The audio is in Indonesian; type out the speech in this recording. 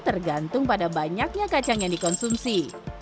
tergantung pada banyaknya kacang yang dikonsumsi